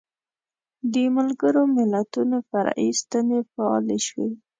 د ملګرو ملتونو فرعي ستنې فعالې شوې.